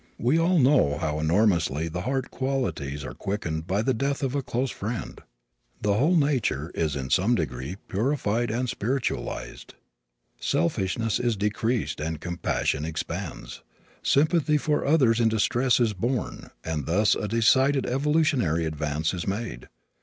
We all know how enormously the heart qualities are quickened by the death of a close friend. The whole nature is in some degree purified and spiritualized. Selfishness is decreased and compassion expands. Sympathy for others in distress is born, and thus a decided evolutionary advance is made.